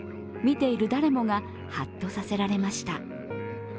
見ている誰もが、はっとさせられました。